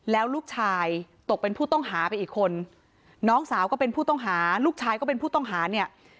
แล้วลูกชายตกเป็นผู้ต้องหาไปอีกคนน้องสาวก็เป็นผู้ต้องหาลูกชายก็เป็นผู้ต้องหาเนี่ย